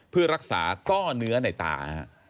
เพื่อรักษาซ่อเนื้อในตา